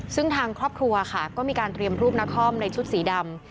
ซึ่งทางครอบครัวค่ะก็มีการเตรียมรูปนครในชุดสีดำ